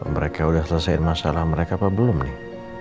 mereka udah selesaiin masalah mereka apa belum nih